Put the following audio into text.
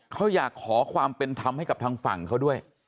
เขาอยากขอความเป็นธรรมให้กับทางฝั่งเขาด้วย